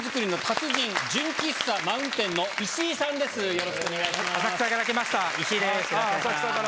よろしくお願いします。